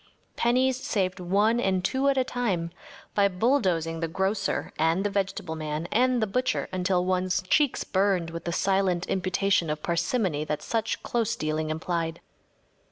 Pennies saved one and two at a time by bulldozing the grocer and the vegetable man and the butcher until one’s cheeks burned with the silent imputation of parsimony that such close dealing implied.